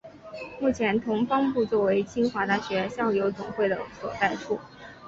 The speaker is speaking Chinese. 目前同方部作为清华大学校友总会的所在处。